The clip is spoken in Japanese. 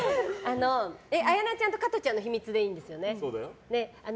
綾菜ちゃんと加トちゃんの秘密でいいんですよね。